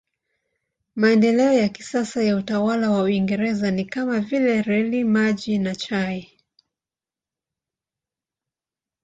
Maendeleo ya kisasa ya utawala wa Uingereza ni kama vile reli, maji na chai.